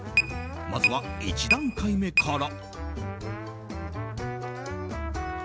まずは１段階目から。